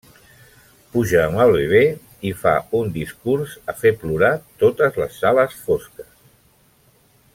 Puja amb el bebè, i fa un discurs a fer plorar totes les sales fosques.